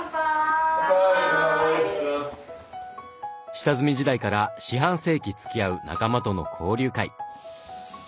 下積み時代から四半世紀つきあう仲間との交流会。